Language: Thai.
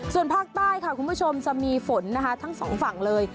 ส่วนภาคใต้ค่ะคุณผู้ชมจะมีฝนนะคะทั้งสองฝั่งเลย